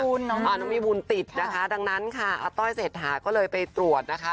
น้องมีบุญติดนะคะดังนั้นค่ะอาต้อยเศรษฐาก็เลยไปตรวจนะคะ